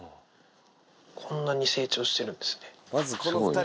こんなに成長してるんですね。